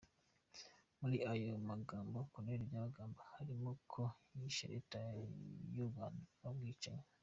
Muri ayo magambo, Col Byabagamba harimo ko yashinje leta y’u Rwanda ubwicanyi.